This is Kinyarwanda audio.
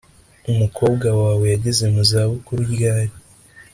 Umukobwa wawe yageze mu zabukuru ryari